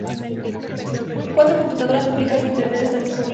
Cuatro computadoras públicas de Internet están disponibles.